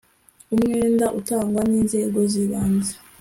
umwenda utangwa n inzego z ibanze